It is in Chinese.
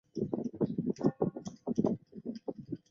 我居然会期待